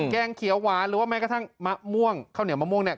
แกงเขียวหวานหรือว่าแม้กระทั่งมะม่วงข้าวเหนียวมะม่วงเนี่ย